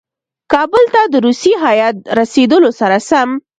کابل ته د روسي هیات رسېدلو سره سم.